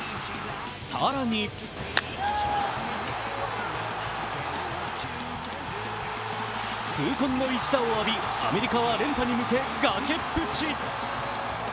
更に痛恨の一打を浴び、アメリカは連覇に向け崖っぷち。